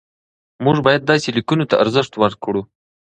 موږ باید داسې لیکنو ته ارزښت ورکړو.